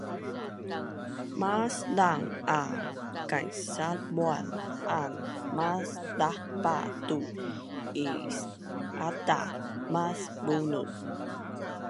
maszang a kaisalpuan an mas dahpa tu is-ataz mas bunun